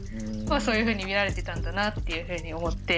そういうふうに見られてたんだなっていうふうに思って。